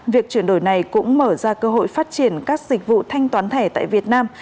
việc chuyển đổi này cũng mở ra cơ hội phát triển các dịch vụ thanh toán thẻ tại việt nam